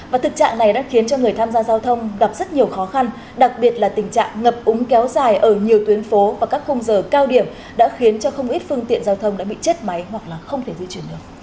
và thực trạng này đã khiến cho người tham gia giao thông gặp rất nhiều khó khăn đặc biệt là tình trạng ngập úng kéo dài ở nhiều tuyến phố và các khung giờ cao điểm đã khiến cho không ít phương tiện giao thông đã bị chết máy hoặc là không thể di chuyển được